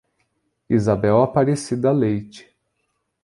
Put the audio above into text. Isabel Aparecida Leite